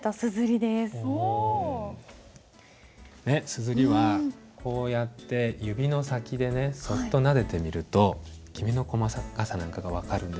硯はこうやって指の先でそっとなでてみるときめの細かさなんかが分かるんですよね。